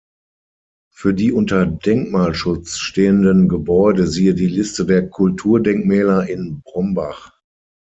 Für die unter Denkmalschutz stehenden Gebäude siehe die Liste der Kulturdenkmäler in Brombach.